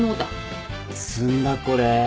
詰んだこれ。